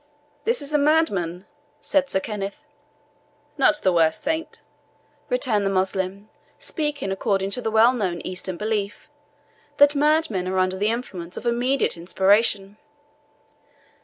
"This is a madman," said Sir Kenneth. "Not the worse saint," returned the Moslem, speaking according to the well known Eastern belief, that madmen are under the influence of immediate inspiration.